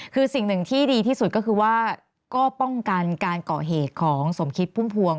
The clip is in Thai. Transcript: คือสิ่งหนึ่งที่ดีที่สุดก็คือว่าก็ป้องกันการก่อเหตุของสมคิดพุ่มพวง